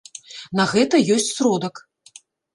На гэта ёсць сродак.